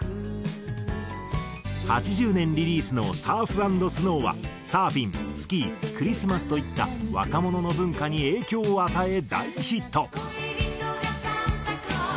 ８０年リリースの『ＳＵＲＦ＆ＳＮＯＷ』はサーフィンスキークリスマスといった若者の文化に影響を与え大ヒット。